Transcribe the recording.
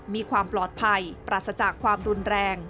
มีความปลอดภัยปราศจากความรุนแรง